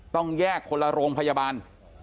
ต้องแยกคนละโรงพยาบาล